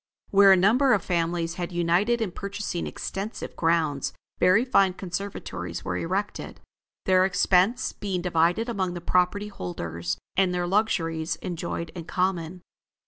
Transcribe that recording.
Where a number of families had united in purchasing extensive grounds, very fine conservatories were erected, their expense being divided among the property holders, and their luxuries enjoyed in common.